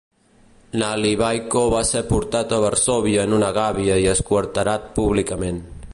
Nalivaiko va ser portat a Varsòvia en una gàbia i esquarterat públicament.